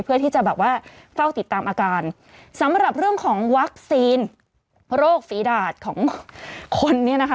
เพื่อที่จะแบบว่าเฝ้าติดตามอาการสำหรับเรื่องของวัคซีนโรคฝีดาดของคนนี้นะคะ